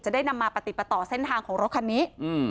ได้นำมาปฏิปต่อเส้นทางของรถคันนี้